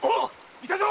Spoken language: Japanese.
いたぞ！